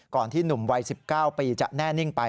ที่หนุ่มวัย๑๙ปีจะแน่นิ่งไป